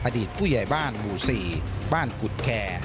อดีตผู้ใหญ่บ้านหมู่๔บ้านกุฎแคร์